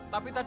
ya pada u